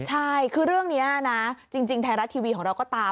ใช่คือเรื่องนี้นะจริงไทยรัฐทีวีของเราก็ตาม